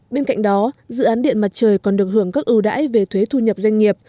bên cạnh đó dự án điện mặt trời còn được hưởng các ưu đãi về thuế thu nhập doanh nghiệp